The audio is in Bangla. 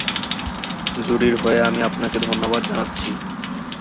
জুডির হয়ে আমি আপনাকে ধন্যবাদ জানাচ্ছি।